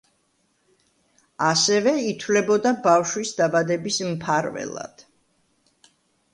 ასევე ითვლებოდა ბავშვის დაბადების მფარველად.